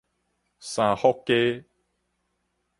三福街